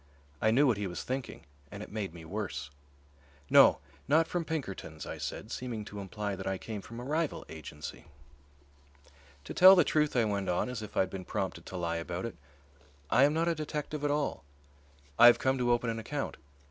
I knew what he was thinking, and it made me worse. "No, not from Pinkerton's," I said, seeming to imply that I came from a rival agency. "To tell the truth," I went on, as if I had been prompted to lie about it, "I am not a detective at all. I have come to open an account.